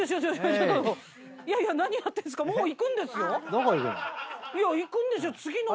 どこ行くの？